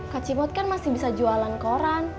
kak cimot kan masih bisa jualan koran